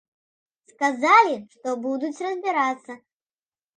Сказалі, што будуць разбірацца.